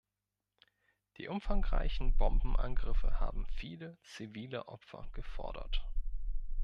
Die umfangreichen Bombenangriffe haben viele zivile Opfer gefordert.